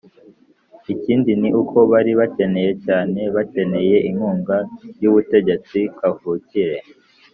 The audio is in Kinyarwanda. Ikindi ni uko bari bakeya cyane bakeneye inkunga y'ubutegetsi kavukire.